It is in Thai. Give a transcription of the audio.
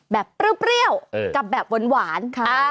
เปรี้ยวกับแบบหวาน